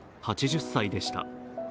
８０歳でした。